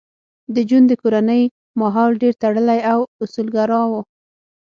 د جون د کورنۍ ماحول ډېر تړلی او اصولګرا و